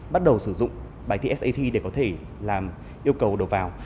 bắt đầu sử dụng bài thi sat để có thể làm yêu cầu đồ vào